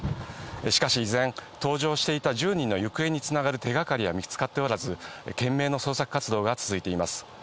しかし依然、搭乗していた１０人の行方に繋がる手がかりは見つかっておらず、懸命の捜索活動が続いています。